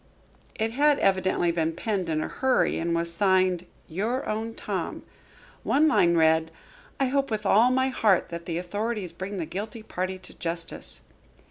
It had evidently been penned in a hurry and was signed, "Your own Tom." One line read: "I hope with all my heart that the authorities bring the guilty party to justice."